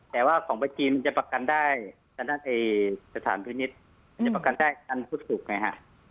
แต่ว่าของเบอร์จีนจะประกันได้สถานพิวนิษฐ์จะประกันได้กันวันศุกร์ไหมฮะ